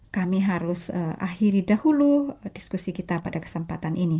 kami harus akhiri dahulu diskusi kita pada kesempatan ini